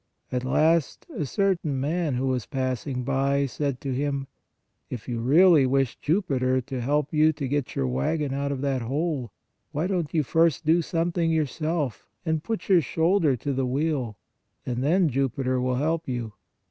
At last a certain man who was passing by, said to him: " If you really wish Jupiter to help you to get your wagon out of that hole, why don t you first do something yourself and put your shoulder to the wheel, and then Jupiter will help you."